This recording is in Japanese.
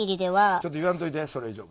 ちょっと言わんといてそれ以上。